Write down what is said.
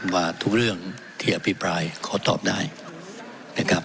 ว่าทุกเรื่องที่อภิปรายขอตอบได้นะครับ